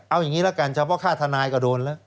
เอาอย่างนี้ละกันเฉพาะค่าทนายก็โดนแล้ว